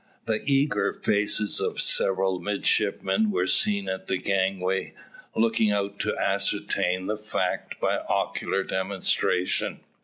The eager faces of several midshipmen were seen at the gangway, looking out to ascertain the fact by ocular demonstration.